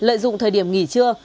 lợi dụng thời điểm nghỉ trưa